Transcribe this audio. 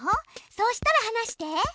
そうしたらはなして。